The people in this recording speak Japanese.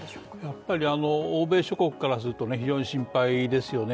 やっぱり欧米諸国からすると非常に心配ですよね。